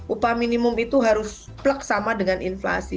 upah minimum itu harus plek sama dengan inflasi